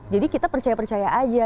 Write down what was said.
jadi kita percaya percaya aja